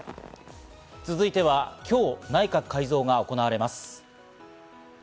続いては今日、内閣改造が行われます。